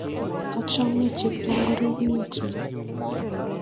Achame cheptondorieno